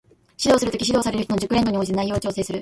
指導する時、指導される人の熟練度に応じて内容を調整する